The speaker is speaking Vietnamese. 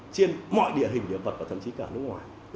trên mọi địa hình hiện vật và thậm chí cả nước ngoài